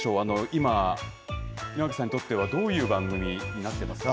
今、稲垣さんにとってはどういう番組になってますか。